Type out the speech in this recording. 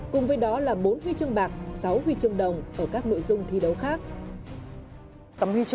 cùng với đó là bốn huy chương bạc sáu huy chương đồng ở các nội dung thi đấu khác